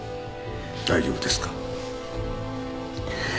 大丈夫ですか？